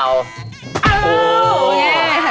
อ้าวไง